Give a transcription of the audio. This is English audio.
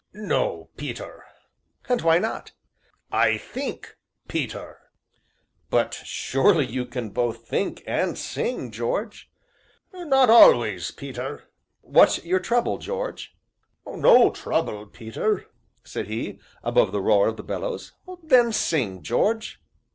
"No, Peter." "And why not?" "I think, Peter." "But surely you can both think and sing, George?" "Not always, Peter." "What's your trouble, George?" "No trouble, Peter," said he, above the roar of the bellows. "Then sing, George."